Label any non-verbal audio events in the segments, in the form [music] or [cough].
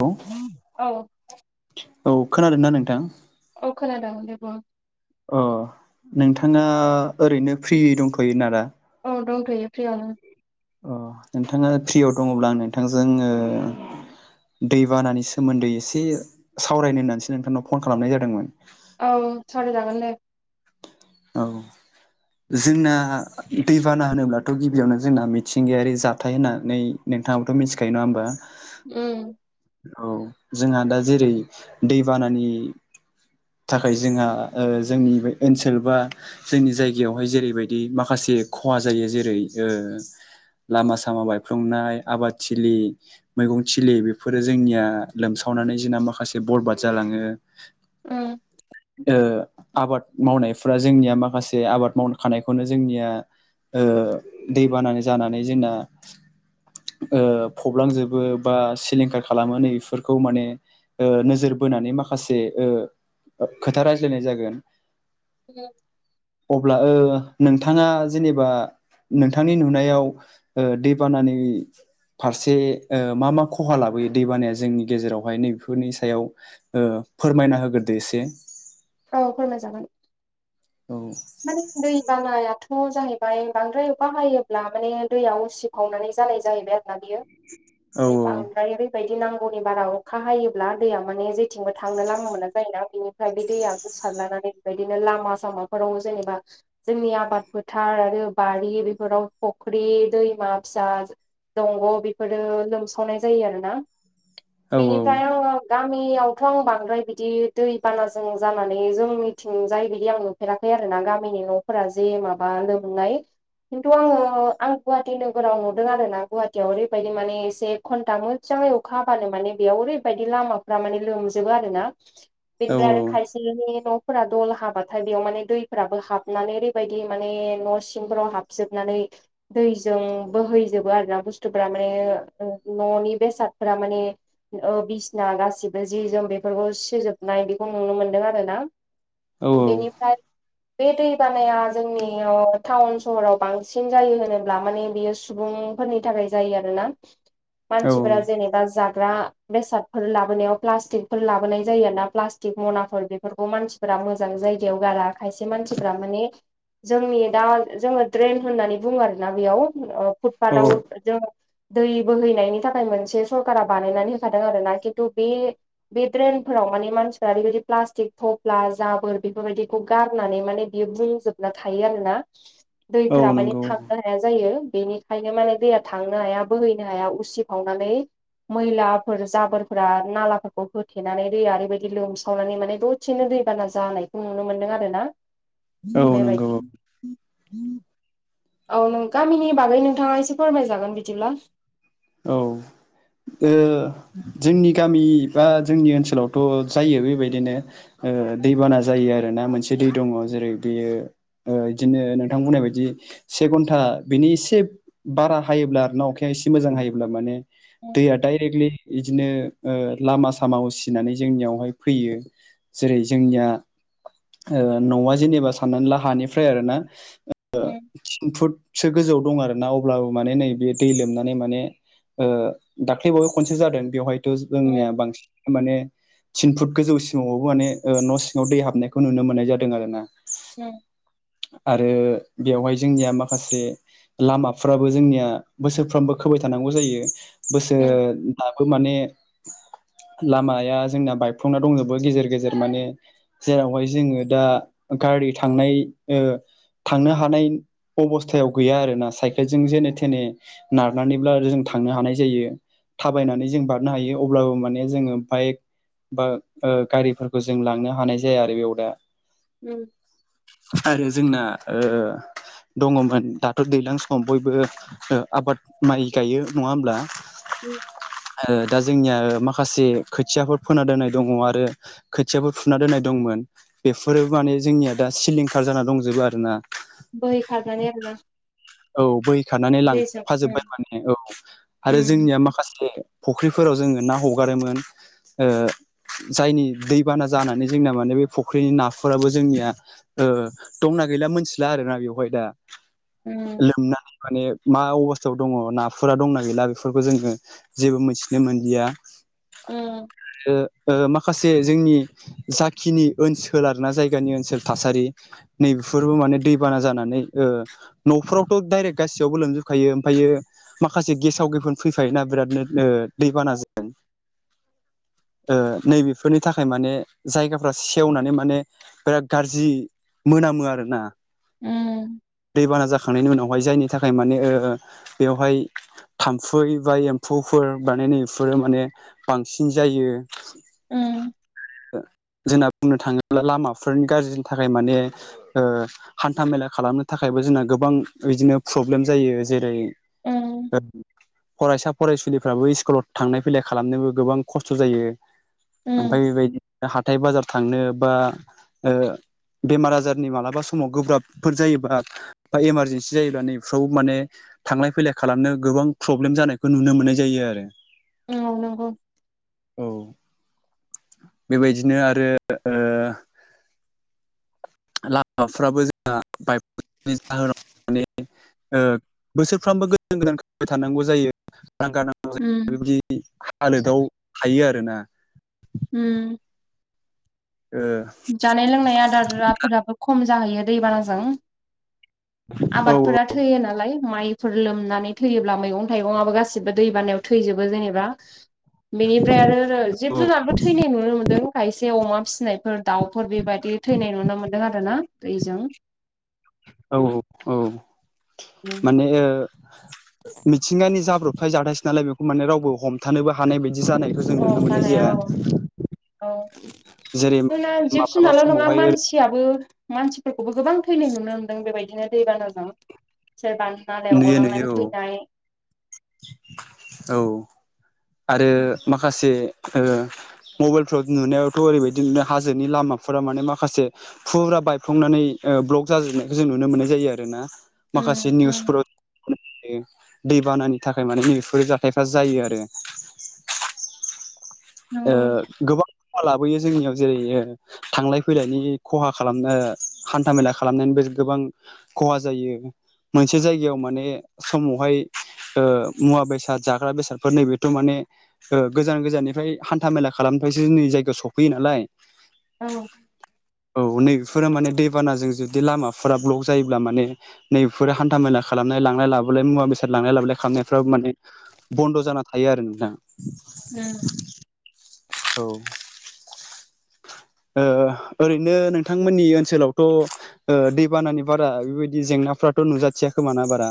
औ औ। खोनादों ना नोंथां। अ खोनादों दे बुं। अ नोंथाङा ओरैनो फ्रि दंथ'योना दा? औ दं थ यो फिरियानो अ नोंथाङा फ्रियाव दङब्ला आं नोंथांजों ओ दैबानानि सोमोन्दै एसे सावरायनो होननानैसो नोंथांनाव फन खालामनाय जादोंमोन। औ सावराय जागोन दे। औ। जोंना दैबाना होनोब्लाथ' गिबियावनो जोंना मिथिंगायारि जाथाय होननानै नोंथाङा बो थ मिथिखायो नङा होनबा ओम औ जोंहा दा जेरै दैबानानि थाखाय जोंहा जोंनि बे ओनसोल बा जोंनि जायगायावहाय जेरैबायदि माखासे जे खहा जायो जेरै ओ लामा सामा बायफ्लंनाय आबाद थिलि मैगं थिलि बे बे फोरो जोंनिया लोमसावनानै जोंना माखासे बरबाद जालाङो। उम आबाद मावनायफ्रा जोंनिया माखासे आबाद माव खानायखौनो जोंनिया दै बानानै जानानै जोंना फबलांजोबो बा सि लिंखार खालामो नैफोरखौ माने नोजोर बोनानै माखासे ओ खोथा रायज्लायनाय जागोन अब्ला ओ नोंथाङा जेनेबा नोंथांनि नुनायाव दै बानानि फारसे मा मा खहा लाबोयो दैबानाया जोंनि गेजेरावहाय नैबेफोरनि सायाव फोरमायना होग्रोदो एसे औ फोरमाय जागोन औ माने दै बाना जाहैबाय बांद्राय बाहायोब्ला माने दैयाव उसिफावनानै जानाय जाहैबाय आरो बियो औ बे बांदाराय बेबायदि बै नांगौनि बारा अखा हायोब्ला दैया माने जेथिंबो थांनो लामा मोना जायोना बेनिफ्राय बे दैया गोसा नानैबायदिनो लामा सामा फोराव जेनेबा जोंनि आबाद फोथार आरो बारि बेफोराव फख्रि दैमा फिसा दंग' बेफोरो लोमसावनाय जायो आरोना औ बिनिफ्राय गामि यावथ' आं बांद्राय बिदि दै बानाजों जानानै जों थिंजायै बिदि आङो होफेराखै आरो ना गामिनि न'फोरा जे माबा मोननाय खिन्थु आङो आं गुवाहाटि नोगोराव नुदों आरो ना गुवाहाटियाव ओरैबायदि माने एसे घन्टा मोन अखा हाबानो माने बेयाव ओरैबायदि लामाफोरा माने लोमजोबो आरो ना। औ बेनिफ्राय आरो खायसेनि न'फोरा दल हाबाथाय बेयाव माने दैफोराबो हाबनानै ओरैबायदि माने न' सिंफोराव हाबजोबनानै दैजों बोहैजोबो आरो ना बुस्थुफोरा माने न'नि बेसादफोरा माने बिसना गासिबो जि जोम बेफोरखौ सिजोबनाय बेखौ नुनो मोनदों आरो ना बेनिफ्राय बे दै बानाया जोंनियाव टाउन सहराव बांसिन जायो होनोब्ला माने बियो सुबुं फोरनि थाखाय जायो आरोना मानसिफोरा औ जेनेबा जा मा बेसादफोर लाबोनायाव प्लाष्टिकफोर लाबोनाय जायो आरो ना प्लाष्टिक मनाफोर बेफोरखौ मानसिफोरा मोजां जायगायाव गारा खायसे मानसिफ्रा माने जोंनि दा जोङो देरेन होननानै बुङो आरोना बेयाव फुटफाथाव औ जों दै बोहैनायनि थाखाय मोनसे सरकारा बानायनानै होखादों आरोना खिन्थु बे बे ड्रेनफोराव मानसिफ्रा ओरैबादि प्लासथिक थफ्ला जाबोर बेफोरबायदिखौ गारनानै माने बियो बुंजोबना थायो आरो ना औ दैफोरा माने नंगौ थांनो हाया जायो। बेनिखायनो माने दैया थांनो हाया बोहैनो हाया उसिफावनानै मैलाफोर जाबोरफोरा नालाफोरखौ होथेनानै दैया ओरैबायदि लोमसावनानै माने दसेनो दै दैबाना जानायखौ नुनो मोनदों आरोना औ नंगौ बेबायदि औ नों गामिनि बागै नोंथाङा एसे फोरमायजागोन बिदिब्ला औ। ओ जोंनि गामि बा जोंनि ओनसोलावथ' जायो बेबायदिनो। ओ दैबाना जायो आरो ना मोनसे दै दङ जेरै बेयो बिदिनो नोंथां बुंनाय बायदि से घन्टा बिनि एसे बारा हायोब्ला आरो ना अखाया एसे मोजां हायो ब्ला माने दैया डाइरेक्टलि इदिनो लामा सामा उसिनानै जोंनियावहाय फैयो जेरै जोंनिया न'आ जेनेबा साननानै ला हानिफ्राय आरोना ओ थिन फुटसो गोजौवाव दं आरोना अब्लाबो माने नैबे दै लोमनानै माने ओ दाख्लैबावै खनसे जादों बेवहायथ' जोंनिया बांसिन माने थिन फुट गोजौ सिमावावबो माने न' सिङाव दै हाबनायखौ नुनो मोननाय जादों आरोना। उम। आरो बेवहाय जोंनिया माखासे लामाफ्राबो जोंनिया बोसोरफ्रोमबो खोबाय थानांगौ जायो। बोसोर बाबो माने लामाया जोंना बायफ्लंना दंजोबो गेजेर गेजेर माने जेरावहाय जोङो दा गारि थांनाय ओ थांनो हानाय अबस्थायाव गैया आरोना साइकेलजों जेने थेने नारनानै ब्ला जों थांनो हानाय जायो थाबायनानै जों बारनो हायो अब्लाबो माने जोङो बाइक बा ओ गारिफोरखौ जों लांनो हानाय जाया आरो बेयाव दा उम आरो जोंना ओ दङमोन दाथ' दैज्लां समाव बयबो आबाद माइ गायो नङा ओमब्ला? [inaudible] दा जोंनिया माखासे खोथियाफोर फोना दोननाय दङ आरो खोथियाफोर फुना दोननाय दंमोन। बेफोरो माने जोंनिया दा सिलिंखार जाना दंजोबो आरो ना। बोहै खारनानै आरोना। औ बोहै खारनानै दैजों लांफाजोबबाय माने औ आरो जोंनिया माखासे फुख्रिफोराव जोङो ना हगारोमोन। ओ जायनि दैबाना जानानै जोंना माने बे फुख्रिनि नाफोराबो जोंनिया ओ दंना गैला मिथिला आरोना बेवहाय दा लोमनानै माने मा अबस्थायाव दङ नाफोरा दंना गैला बेफोरखौ जोङो जेबो मिथिनो मोनलिया उम ओ माखासे जोंनि जाखिनि ओनसोल आरोना जायगानि ओनसोल थासारि नैबेफोरबो माने दैबाना जानानै ओ न'फ्रावथ' डाइरेक्ट गासैयावबो लोमजोबखायो ओमफ्रायो माखासे गेसाव गेफोन फैफायो ना बिरादनो ओ दैबानाजों नै बेफोरनि थाखाय माने जायगाफ्रा सेवनानै माने बिराद गाज्रि मोनामो आरोना। उम खांनायनि उनावहाय जायनि थाखाय माने ओ बेवहाय थाम्फै बा एम्फौफोर बा नैफोर माने बांसिन जायो। उम जोंना बुंनो थाङोब्ला लामाफोरनि गाज्रिनि थाखाय माने हान्था मेला खालामनो थाखायबो जोंना गोबां बिदिनो प्रब्लेम जायो जेरै फरायसा फरायसुलिफ्राबो स्कुलाव थांलाय फैलाय खालामनोबो गोबां खस्थ' जायो। ओमफ्राय बेबायदि हाथाय बाजार थांनो बा बेमार आजारनि मालाबा समाव गोब्राबफोर जायोबा बा इमारजेन्सि जायोब्ला नैफ्राव माने थांलाय फैलाय खालामनो गोबां प्रब्लेम जानायखौ नुनो मोननाय जायो। आरो औ नोंगौ औ बेबायदिनो आरो ओ लामाफ्राबो जोंहा बाइक जाहोनाव मे ओ बोसोरफ्रामबो गोदान गोदान खोबाय थानांगौ जायो। गांगौ जायो बेबायदि हालोदाव थायो आरोना। उम ओ जानाय लोंनाय आदाराफोराबो खम जाहैयो दैबानाजों औ आबादफोरा थैयो नालाय माइ फोर लोमनानै थैयोब्ला मैगं थाइगंआबो गासिबो दै बानायाव थैजोबो जेनेबा बेनिफ्राय आरो जिब जुनारबो थैनाय नुनो मोनदों खायसे अमा फिसिनाय। दाउफोर बेबायदि थैनाय नुनो मोन्दों आरो ना। दैजों औ औ औ माने मिथिंगानि जाब्रबथाय जाथायसो नालाय बेखौ माने रावबो हमथानोबो हानाय बायदि जानायखौ जों औ नुनो मोननाय जानाया जाया। औ जेरै औ जिब माब्लाबा जुनारल' नङा समावहाय मानसियाबो मानसिफोरखौबो गोबां थैनाय नुनो मोनदों बेबायदिनो दैबानाजों। सोरबा नुयो नालायावगलांनानै नुयो औ थैनाय। औ आरो माखासे ओ मबाइलफ्राव नुनायावथ' ओरैबायदि नु हाजोनि लामाफोरा माने माखासे फुरा बायफ्लंनानै ब्लग जाजोबनायखौ जों नुनो मोननाय जायो आर ना माखासे उम उम निउसफोराव दैबानानि थाखाय माने बेफोर जाथायफ्रा जायो आरो। ओ नंगौ गोबां खहा लाबोयो जोंनियाव जेरै थांलाय फैलायनि खहा खालामनो हान्था मेला खालामनो। बे गोबां खहा जायो। मोनसे जायगायाव माने समावहाय मुवा बेसाद जाग्रा बेसादफोर नैबेथ' माने। गोजान गोजाननिफ्राय हान्था मेला खालामनिफ्रायसो जोंनि जायगायाव सफैयो नालाय। औ औ नैबेफोरा माने दैबानाजों जुदि लामाफोरा ब्लक जायोब्ला माने नैबेफोर हान्था मेला खा लामनाय लांलाय लाबोलाय मुवा बेसाद लांलाय लाबोलाय खालामनायफ्राव माने बन्द' जाना थायो आरो नोंथां। उम। औ ओरैनो नोंथांमोननि ओनसोलावथ' दैबानानि बारा बेबायदि जेंना। फ्राथ' नुजाथिया खोम ना बारा।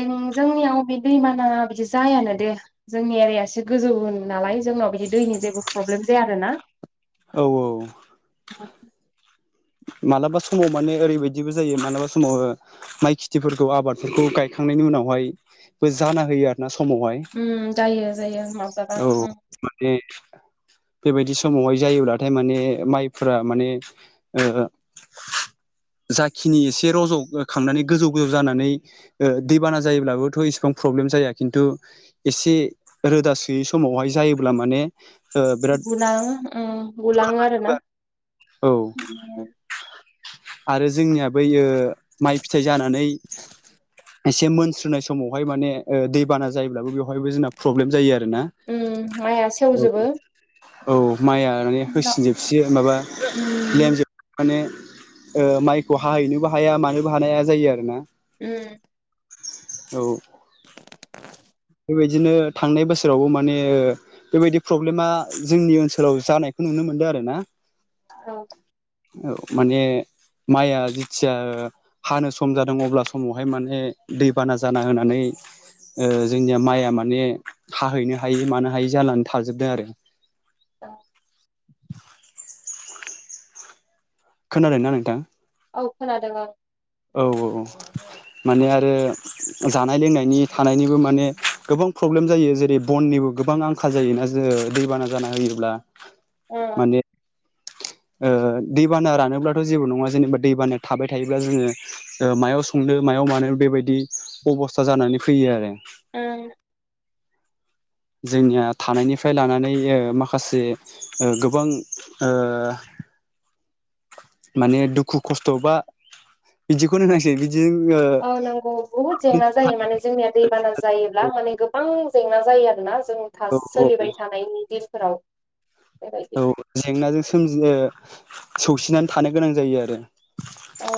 जोंनियाव बे दैमाना बिदि जायानो दे जोंनि एरिया एसे गोजौ नालाय जोंनाव बिदि। बि दैनि जेबो प्रब्लेम जाया आरोना। औ औ। मालाबा समाव माने ओरैबायदिबो जायो मालाबा समाव माइ खिथिफोरखौ आबादफोरखौ गाय खांनायनि उनावहायबो जाना होयो आरो ना। समावहाय उम जायो जायो माब्लाबा औ उम माने बेबायदि समावहाय जायोब्लाथाय माने माइफोरा माने ओ जाखिनि एसे रज' खांनानै गोजौ गोजौ जानानै दैबाना जायोब्लाबोथ' एसेबां प्रब्लेम जाया खिन्थु एसे रोदा सोयै समावहाय जायोब्ला माने ओ बिराद गुलाङो ओ गुलाङो आरो ना औ आरो जोंनिया बोयो माइ फिथाइ जानानै एसे मोनस्रनाय समावहाय माने ओ दैबाना जायोब्लाबो बेवहायबो जोंना प्रब्लेम जायो आरो। उम माइआ सेवजोबो। औ माइआ माने उनाव होसिनजोबसयो माबा उम लेमजोबो माने। ओ माइखौ हाहैनोबो हाया मानोबो हानाय हा जायो आरो ना। उम औ। बेबायदिनो थांनाय बोसोरावबो माने बेबायदि प्रब्लेमा जोंनि ओनसोलाव जानाय। नुनो मोनदों आरो ना औ। औ माने माइआ जिथिया हानो सम जादों अब्ला समावहाय माने दैबाना जाना होनानै ओ जोंनिया माइआ माने हाहैनो हायै मानो हायि जानानै थाजोबदों आरो। औ खोनादों ना नोंथां? औ खोनादों औ। औ औ औ। माने आरो जानाय लोंनायनि थानायनिबो माने गोबां प्रब्लेम जायो जेरै बयनिबो। गोबां आंखाल जायोना जोङो दैबाना जाना होयोब्ला उम माने ओ दैबाना रानोब्लाथ' जेबो नङा जेनेबा दैबाना थाबाय थायोब्ला जोङो ओ मायाव संनो। मायाव मानो बेबायदि अबस्था जानानै फैयो आरो। उम। जोंनिया थानायनिफ्राय लानानै ओ माखासे ओ गोबां ओ माने दुखु खस्थ' बा बिदिखौनो होनांसै बि औ नंगौ बुहुत जेंना जायो माने जोंनिया दैबाना औ जायोब्ला माने गोबां जेंना जायो आरोना जों था औ सोलिबाय थानायनि दिनफोराव बेबायदि औ जेंनाजों सोमजियो सौसिनानै थानो गोनां जायो आरो औ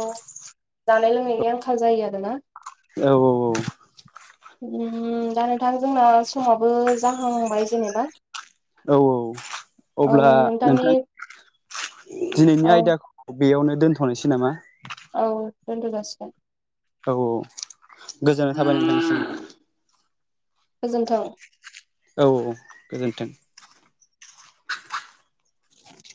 जानाय लोंनायनि आंखाल जायो आरोना औ औ औ उम दा नोंथां जोंना समाबो जाहांबाय जेनेबा औ औ औ अब्ला नोंथांनि नोंथां औ दिनैनि आयदाखौ बेयावनो दोनथ'नोसै नामा? औ दोनथ' जासिगोन। औ औ गोजोननाय थाबाय नोंथांनिसिम। गोजोन्थों औ औ गोजोन्थों [inaudible]